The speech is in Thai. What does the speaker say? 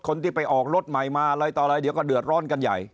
คนที่ไปออกรถใหม่มาอะไรต่ออะไรเดี๋ยวก็เดือดร้อนกันใหญ่